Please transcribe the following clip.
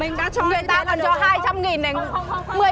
người ta còn cho hai trăm linh nghìn này